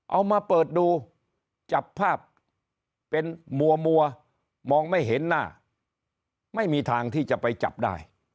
เอามาเปิดดูจับภาพเป็นมัวมองไม่เห็นหน้าไม่มีทางที่จะไปจับได้